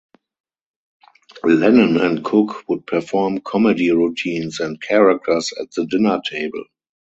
Lennon and Cook would perform comedy routines and characters at the dinner table.